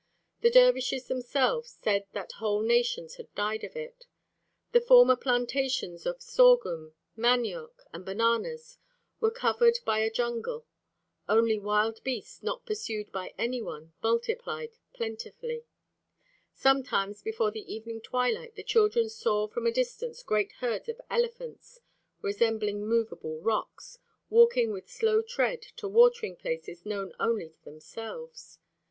The dervishes themselves said that whole nations had died of it. The former plantations of sorghum, manioc, and bananas were covered by a jungle. Only wild beasts, not pursued by any one, multiplied plentifully. Sometimes before the evening twilight the children saw from a distance great herds of elephants, resembling movable rocks, walking with slow tread to watering places known only to themselves.